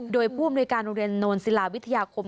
โดยผู้บริษัทโรงเรียนนวลศิลาวิทยาคม